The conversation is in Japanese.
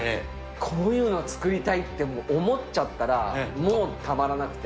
こういうのを作りたいってもう思っちゃったら、もうたまらなくて。